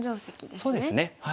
そうですねはい。